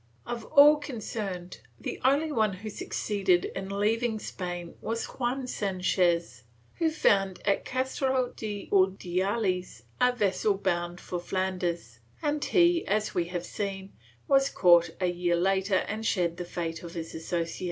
Of all concerned, the only one who suc ceeded in leaving Spain was Juan Sanchez, who found at Castro de Urdiales a vessel bound for Flanders and he, as we have seen, was caught a year later and shared the fate of his associates.